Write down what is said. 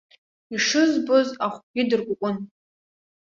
Ишызбоз ахәгьы дыркәыкәын.